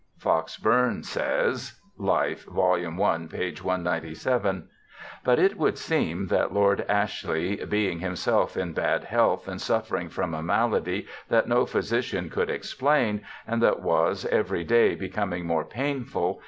Fox Bourne says {Life^ vol. i, p. 197) :' But it would seem that Lord Ashley being himself in bad health and suffering from a malady that no phy sician could explain, and that was every day becoming more painful